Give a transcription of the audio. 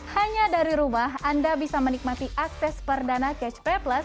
hanya dari rumah anda bisa menikmati akses film blockbuster di catch lima plus